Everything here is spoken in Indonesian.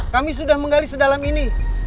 kami sudah menggali sedalam ini